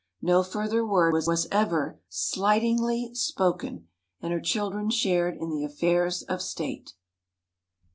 No further word was ever slightingly spoken, and her children shared in the affairs of State.